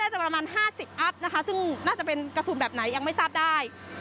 ได้จากประมาณห้าสิบอัพนะคะซึ่งน่าจะเป็นสุภารณ์แบบไหนยังไม่ทราบได้